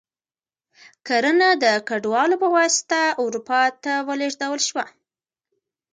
کرنه د کډوالو په واسطه اروپا ته ولېږدول شوه.